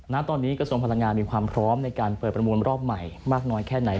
ณตอนนี้กระทรวงพลังงานมีความพร้อมในการเปิดประมูลรอบใหม่มากน้อยแค่ไหน